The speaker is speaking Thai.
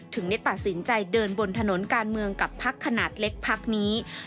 ถึงได้ตัดสินใจเดินบนถนนการเมืองกับพักขนาดเล็กพักนี้